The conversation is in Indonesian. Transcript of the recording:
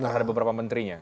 terhadap beberapa menterinya